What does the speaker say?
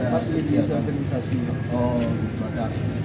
masa yang tertutup